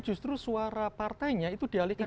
justru suara partainya itu dialihkan